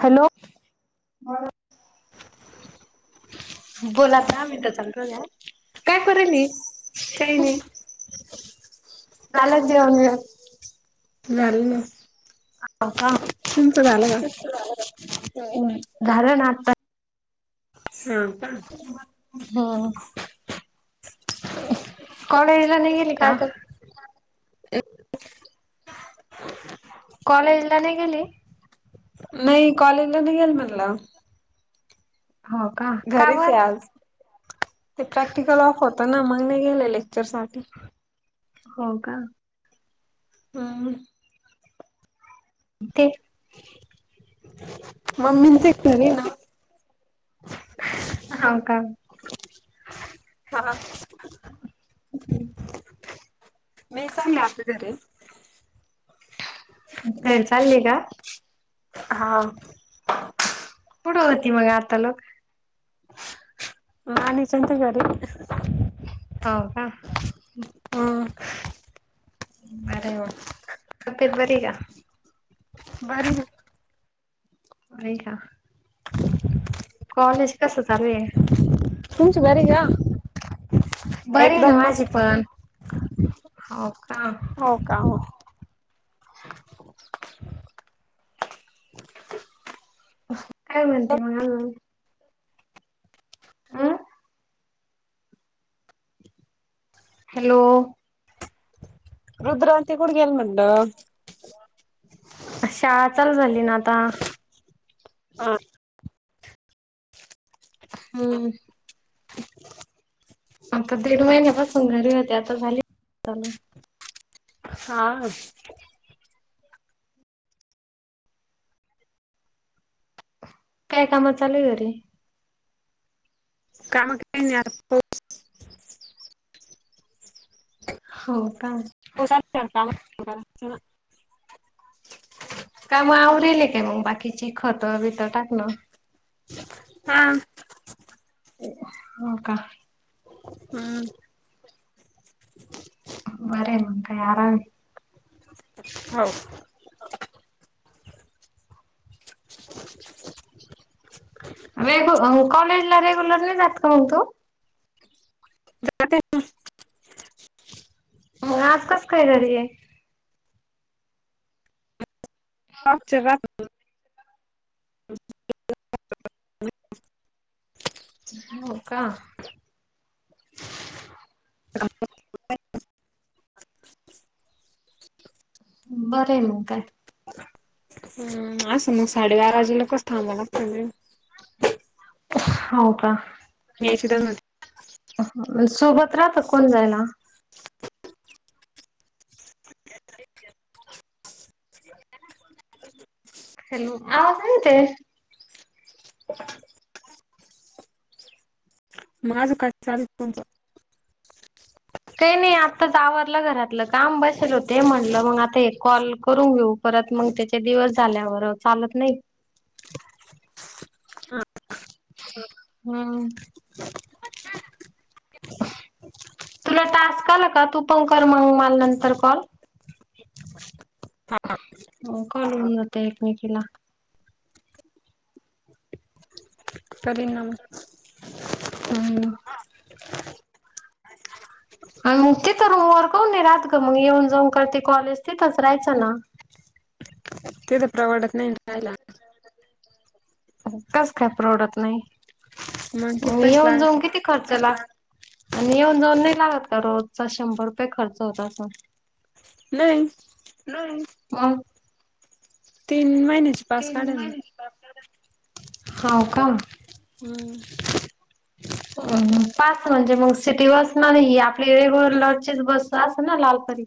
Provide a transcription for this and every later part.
Hello बोल आता मी तर चाल्लोय काय करालीस काही नाही झालं जेवण बिवन झाल ना आहं तुमचं झालं का? [unintelligible] घारना आता हो कां हा कॉलेजला नाही गेले काय का? कर कॉलेजला नाही गेली? नाही कॉलेजला नाही येेलं म्हणलं हो का का घरीच आहे बर? आज. ते प्रॅक्टिकल ऑफ होत ना मग नाही गेले लेक्चर साठी हो कां हम्म ते मम्मी न ते घरी आहे ना हो का हा हम्म नाही सांग ना आपल्या घरी लयं चाललंय गं हा कुठं होती मग आता लोक हा निश्च़ितं घरी हां का! हम्म बरं तब्येत बरी आहे का? बरं हे ऐकना कॉलेज कसं चालु आहे बरीं का? बरीं ना एकदम माझी मस्त पण. हो का! हो का हो. काय म्हणते मग अजुन. हॅलो रुद्रांती कुठें गेली म्हंटल. शाळा चालु झाली ना आता. हम्म! आता दीड महिन्यापासून घरी होते आता झाली [unintelligible] चालु हां काय काम चालूयं घरी? काम काही नाही आता पोहच. हों का! हो झा [unintelligible] काम किती खतं बित टाकणं हा. हों का हम्म बरं मग काय आराम आहे. हो. [unintelligible] [unintelligible] अं हो कॉलेज ला रेगुलर नाही जात का मग तू? जाते ना. आज कसं काय घरी ये? मगचे रातात. [unintelligible] हो का? [unintelligible] बरे मग काय? ह. असं मग साडेबारा वाजेला कस थांबला लगत. हो का? [unintelligible] सोबत रात कोन जायला? हॅलो! आवाज नाई येत. [unintelligible] माझं काय चालू तुमचं? काही नाही, आताच आवरलं घरातलं काम, बसेल होते. म्हणलं मग आता एक कॉल करून घेऊ पर त मग त्याचे दिवस झाल्यावर चालत नाही. हम्म. तुला टास् आला का? तू पं कर मग माल नंतर कॉल. हां. हो करून घेऊ ते एकमेकीला. कररी ना मी ह. [unintelligible] आणि मग तिथं वर काऊन नई राहात ग मग? येऊन जाऊन करते कॉलेज ते तच रायचं ना? तेथ परवाडत नाही रायला. कास काय परवडत नाही? मग किती पैसे येऊन जाऊन लागत किती खर्चला आणि येऊन जाऊन नाही लागत का? रोजचा शंभर रुपये खर्च होत असल. नाही. मंग? तीन महिन्याची पास काढेल ना. हो का? हम्म. पास म्हणजे मग, सिटी बस नाही आपली रेगुलरची बस असल ना लालपरी?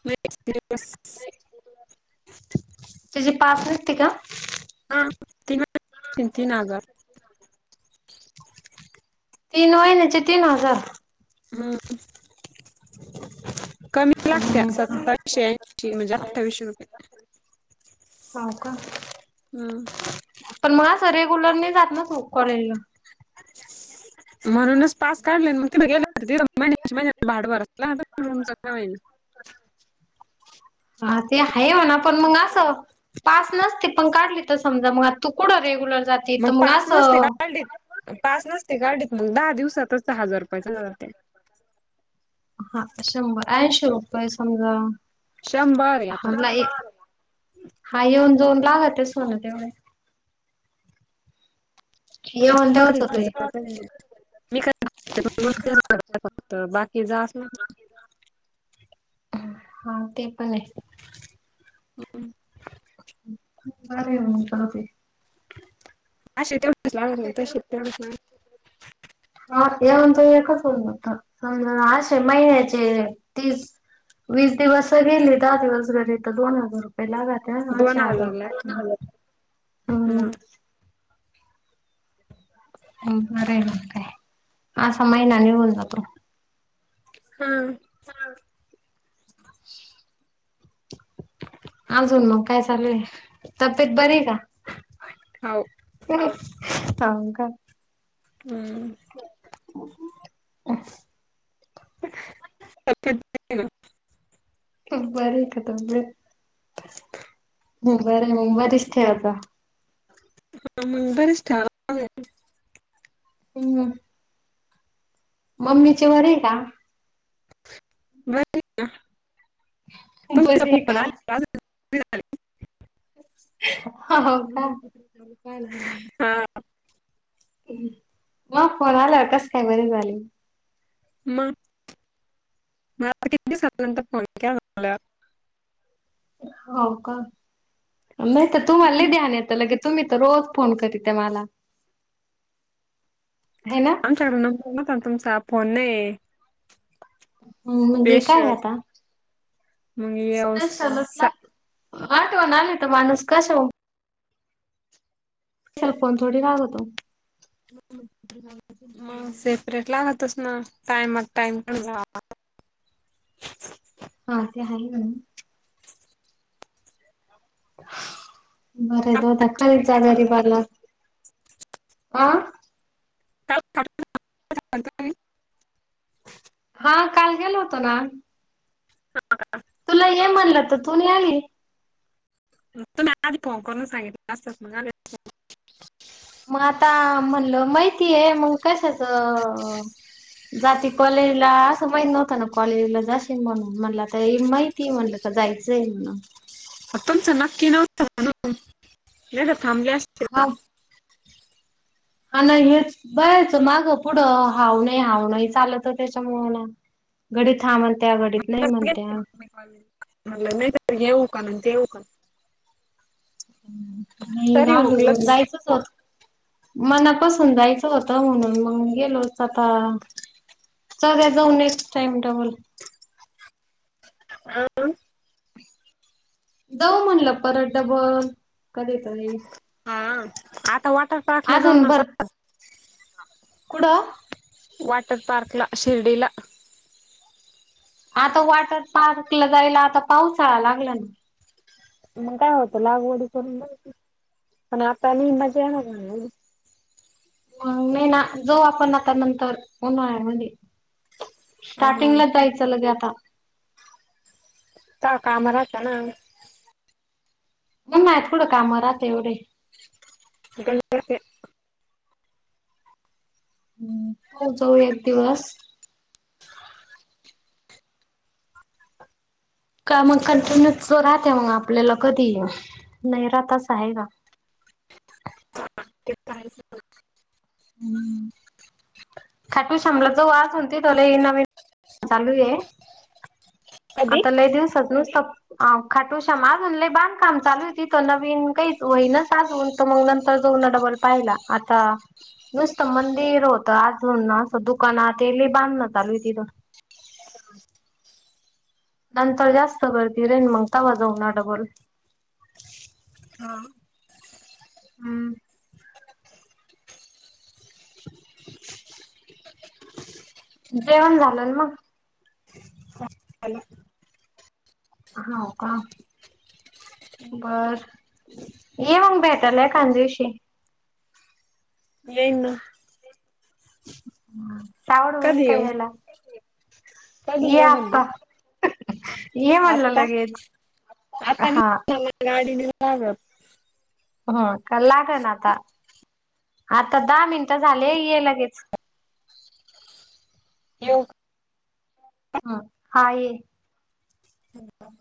[inaudible] [inaudible] हा, [unintelligible] तीन हजार. तीन महिन्याचे तीन हजार? हा. कमी लागत्या, सत्तावीशे ऐंशी म्हणजे अठ्ठावीसशे रुपये. हो का हम्. पण मला असं रेग्युलर नाही जात ना तु कॉलेजला? [inaudible] म्हणूनच पास काढले ना मग. तिथं गेल तिद महिन्या च्या महीन भाड भराव लागतं रूमचं का व्हाईना. ह ते आहे म्हणा, पण मग असं पास नसते पण काढली तर समजा मग, आता तू कुठ रेग्युलर. जाते तर मग पास नसते असं काढीत, पास नसते ते गाडीत मग दहा दिवसातच हजार रुपय मिळवतय. हा शंभर ऐंशी रुपये समजा शंभर आहे आता हां हां येऊ [inaudible] येऊन मंग तेवच होते रिप्लाय आला आहे. [unintelligible] बाकी जास असंण हा ते पणं आहे. बरं आहे मंग चालते अशे तेवढंच [inaudible] तशेच तेवढंच [inaudible] हा येऊन ते एकच होन हो समजा असे महिन्यांचे तीस वीस दिवस गेलीं दहा दिवस घरी तर दोन दिवसाचे दोन लागत हजार मग [inaudible] बरं आहे मंग काय असामहीना निघून जातो. हा हा अजून मंग काय चालूं आहे तब्येत बरी आहे कां. हा हो अ का थांबका हम् अ [inaudible] बरं आहे का दमलेत [inaudible] [inaudible] वरीचं ठेवायचां हा मगबरेच ठाव आहे. हम् हम् मम्मीचे बरे आहे कां बरं आहे का तुमचा बरी आहे फोन का आला दादाचा हो का पण फोन आला हा मंग फोन आल्यावर कसं काय बरी झाली म मग काय किती दिवसा नंतर फोन केला होता हो का नाहीं तर तुम्हांला लय ध्यान एत लगे तुम्हीं तर रोज फोन करी त्यां मला [inaudible] ना आमच्याकडे नंबर नव्हता न तुमचा फोन नाही ह म्हणजे काय स्पेशल आता मग येऊ स्पेशलच सा लागत आहटो आली तर माणूस कश्या वरून सल फोन थोडी लागतोय मंग सेपरेट लागतोस ना टाइमात टाईम पणं झाला हा ते आहे नां बरं तोत्या खाली जागा भरणार ह का [inaudible] हा काल गेलो होतों नां आम्ही हा तुला ये म्हणलं तर तू नाहीं आली म माज प कोरो सय [inaudible] मंग आता म्हणलं माहितीय आहे मंग कशाच म्हणलं जाती कॉलेजला असं माहित नव्हतं ना कॉलेजला जाशील म्हणून म्हणलं तर माहिती म्हणलं क जायचं आहे म्हणाला आ तुमचं नक्की नव्हतं म्हणून नाही तर का थांबले हा असतीते [inaudible] हा नाहीं हेंच बरायचं मागं पुढं हाव नाहीं हाव नाहीं चालतं त्यांच्या मुळ घडी थांबणं म्हटलं नाहीतर येऊं का तेऊ कां नाही राहिल हुकलंच जायचंच मनापसून जायचं होतं म्हणून मग गेलोच आता. चल जाऊ नेक्स्ट टाइम डबल. हा जाऊ म्हणलं परत डबल. कधी तरी हा आता वॉटर पार्कला जाऊ अजून ना भर कुड वाॉटर पार्कला शिर्डीला. आता वॉटर पार्कला जायला आता पाऊसाळा लागला ना? मग काय होत लागवडी करून पण आता लिंबाची आहे ना. म म ना जो आपण आता नंतर ऊन्हाळा म्हधे. हम्म, स्टार्टिंगला जायचं लगे आता. का काम राहता ना? नाही थोडं काम राहते एवढे, गणपतीत, हो जाऊ एक दिवस. का मग कंटिन्यू राहत मग आपल्याला कधी ये नाही राहत अस आहे ना ह हा तेच खाटू शमलाचा वास होती थला नवीन चालू आहे. कधी? आता लय दिवसात तुन अ खाटू शाम अजून लय बांधकाम चालू आहे त नवीन काही होहीनच अजून तर मग नंतर, दोन डबल पाहिला आता, नुसतं मंदिर होतं अजून असं दुकान ते बांध न चालूय तिथं. नंतर जास्त गर्दी राहिन मग तवाजऊ ना डबल, हा हम्म चम् जेवण झालं मग? हा. हा का बर ये मग भेटाला एकंद दिवशी. येई ना. सावड होइन यायला? कायधी ये येऊ म्हणलं. आत्ता [inaudible] ये म्हणलं आत्ता लगेच हा आताला गाडी लागत. [inaudible] हा का लाग ना आता. आता दहा मिनिटं झाले ये लगेच. येऊ का? हम हा ये. हम्,